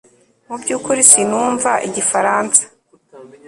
Mu byukuri sinumva igifaransa